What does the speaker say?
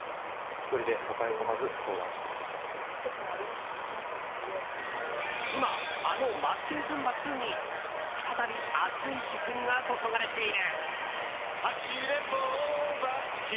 １人で抱え込まず今、あの「マツケンサンバ２」に再び、熱い視線が注がれている。